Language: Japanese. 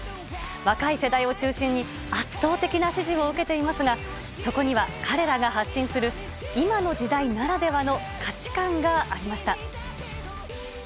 若い世代を中心に圧倒的な支持を受けていますがそこには彼らが発信する今の時代ならではの価値観がありました。